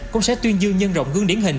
cũng sẽ tuyên dương nhân rộng gương điển hình